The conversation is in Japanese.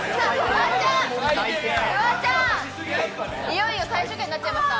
フワちゃん、いよいよ最終回になっちゃいました。